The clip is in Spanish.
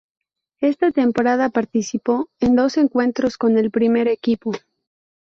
Esa temporada participó en dos encuentros con el primer equipo.